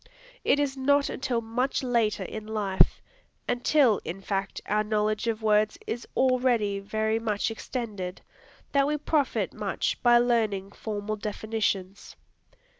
It is not until much later in life, until in fact our knowledge of words is already very much extended, that we profit much by learning formal definitions.